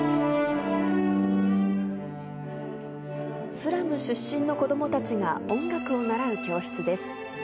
スラム出身の子どもたちが音楽を習う教室です。